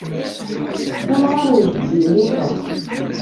S amɣar n jeddi lmufeq.